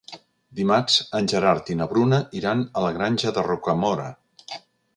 Dimarts en Gerard i na Bruna iran a la Granja de Rocamora.